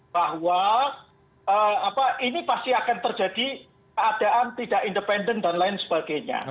bahwa ini pasti akan terjadi keadaan tidak independen dan lain sebagainya